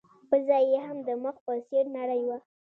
پزه يې هم د مخ په څېر نرۍ وه.